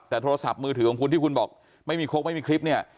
แต่โทรศัพท์มือถือของคุณที่คุณบอกไม่มีคกไม่มีคลิปเนี่ย